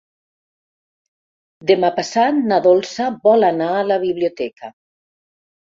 Demà passat na Dolça vol anar a la biblioteca.